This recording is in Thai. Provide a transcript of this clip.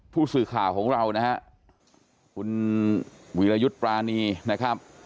ผู้สื่อข่าวของเรานะฮะคุณวีรยุทธ์ปรานีนะครับ